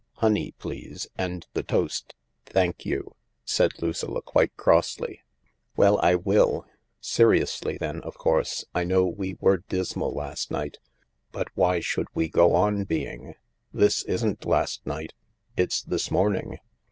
Honey, please, and the toast. Thank you," said Lucilla, quite crossly. " Well, I will ! Seriously, then, of course I know we were dismal last night, but why should we go on being ? This isn't last night. It's this morning.